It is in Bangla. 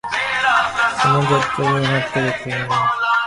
তোমার জাঠতুতো ভাই অনাথকে দেখলুম যেন।